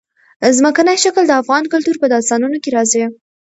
ځمکنی شکل د افغان کلتور په داستانونو کې راځي.